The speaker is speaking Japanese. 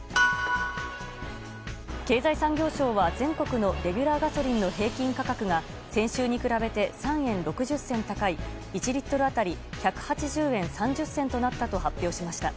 経済産業省は全国のレギュラーガソリンの平均価格が先週に比べて３円６０銭高い１リットル当たり１８０円３０銭となったと発表しました。